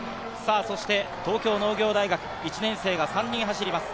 そして東京農業大学は１年生が３人走ります。